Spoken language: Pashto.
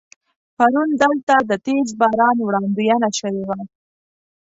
پرون دلته د تیز باران وړاندوينه شوې وه.